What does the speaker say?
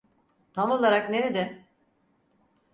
Tam olarak nerede?